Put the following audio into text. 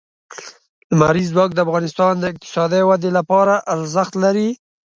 لمریز ځواک د افغانستان د اقتصادي ودې لپاره ارزښت لري.